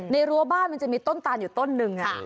รั้วบ้านมันจะมีต้นตานอยู่ต้นหนึ่ง